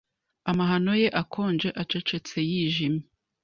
Amahano ye akonje acecetse yijimye